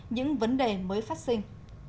những vấn đề mới phát sinh